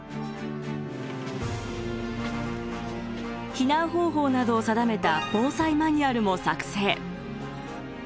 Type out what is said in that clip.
避難方法などを定めた防災マニュアルも作成。